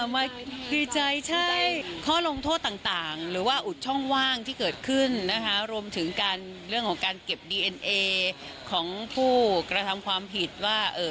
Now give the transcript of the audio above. มาดีใจใช่ข้อลงโทษต่างหรือว่าอุดช่องว่างที่เกิดขึ้นนะคะรวมถึงการเรื่องของการเก็บดีเอ็นเอของผู้กระทำความผิดว่า